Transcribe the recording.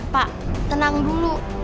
pak tenang dulu